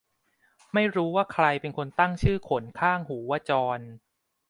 ไม่รู้ว่าใครเป็นคนตั้งชื่อขนข้างหูว่าจอน